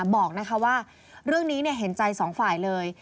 บอกว่าเรื่องนี้เห็นใจสองฝ่ายเลย